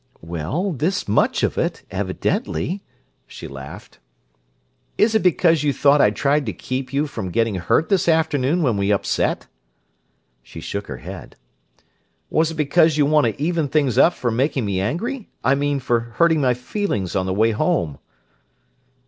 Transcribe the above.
"Well, this much of it—evidently!" she laughed. "Is it because you thought I tried to keep you from getting hurt this afternoon when we upset?" She shook her head. "Was it because you want to even things up for making me angry—I mean, for hurting my feelings on the way home?"